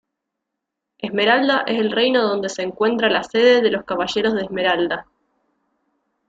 Esmeralda es el reino donde se encuentra la sede de los Caballeros de Esmeralda.